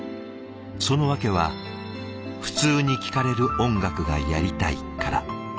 その訳は普通に聴かれる音楽がやりたいから。